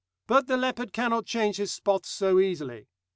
But the leopard cannot change his spots so easily.